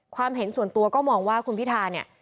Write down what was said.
ความเห็นส่วนตัวก็มองว่าคุณพิธาย